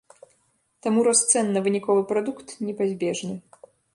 Таму рост цэн на выніковы прадукт непазбежны.